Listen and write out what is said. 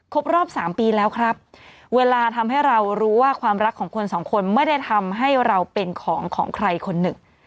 รอบสามปีแล้วครับเวลาทำให้เรารู้ว่าความรักของคนสองคนไม่ได้ทำให้เราเป็นของของใครคนหนึ่ง